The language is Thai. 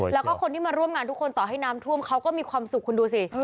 แล้วก็คนที่มาร่วมงานทุกคนต่อให้น้ำท่วมเขาก็มีความสุขคุณดูสิ